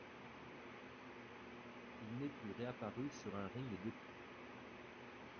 Il n'est plus réapparu sur un ring depuis.